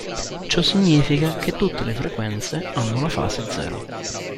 Ciò significa che tutte le frequenze hanno la fase zero.